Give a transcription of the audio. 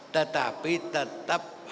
tetapi tetap harus